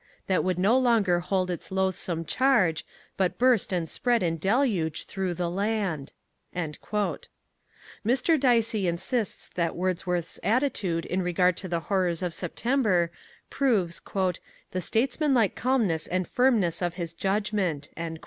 That would no longer hold its loathsome charge, But burst and spread in deluge through the land. Mr. Dicey insists that Wordsworth's attitude in regard to the horrors of September proves "the statesmanlike calmness and firmness of his judgment."